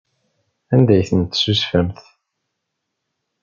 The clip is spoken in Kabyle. Anda ay tent-tessusfemt?